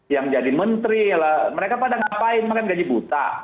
yang jadi menteri mereka pada ngapain makan gaji buta